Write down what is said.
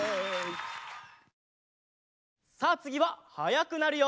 さあつぎははやくなるよ。